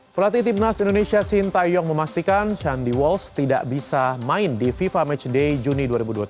pelatih timnas indonesia sintayong memastikan shandy walsh tidak bisa main di fifa matchday juni dua ribu dua puluh tiga